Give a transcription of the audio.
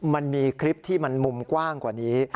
มันมีคลิปที่มันมุมกว้างกว่านี้